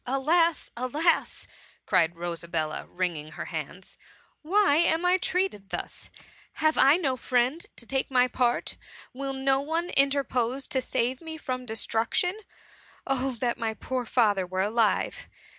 ^' Alas ! alas !" cried Rosabella, wringing her hands, *^ why am I treated thus ? Have I no friend to take my pa:t ? Will no one interpose to save me from destruction ? Oh that my poor father were alive